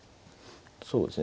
そうですね。